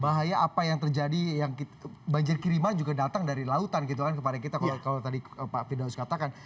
bahaya apa yang terjadi yang banjir kiriman juga datang dari lautan gitu kan kepada kita kalau tadi pak firdaus katakan